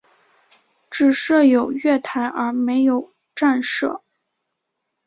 只设有月台而没有站舍。